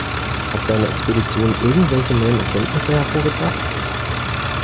Hat seine Expedition irgendwelche neuen Erkenntnisse hervorgebracht?